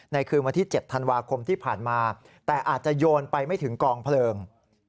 คืนวันที่๗ธันวาคมที่ผ่านมาแต่อาจจะโยนไปไม่ถึงกองเพลิง